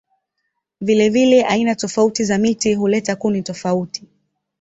Vilevile aina tofauti za miti huleta kuni tofauti.